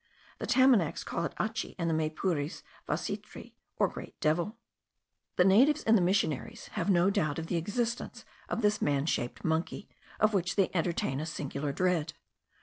The Tamanacs call it achi, and the Maypures vasitri, or great devil. The natives and the missionaries have no doubt of the existence of this man shaped monkey, of which they entertain a singular dread.